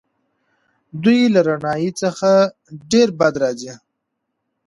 دوی له رڼایي څخه ډېر بد راځي.